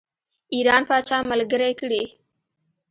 ایران پاچا ملګری کړي.